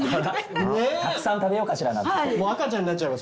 たくさん食べようかしらなんつって。